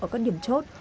ở các điểm chốt